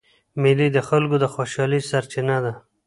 مېلې د خلکو د خوشحالۍ سرچینه ده.